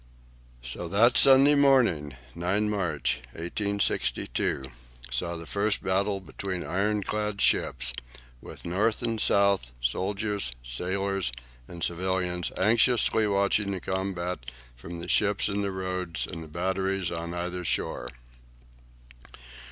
So that Sunday morning, 9 March, 1862, saw the first battle between ironclad ships, with North and South, soldiers, sailors, and civilians anxiously watching the combat from the ships in the Roads and the batteries on either shore.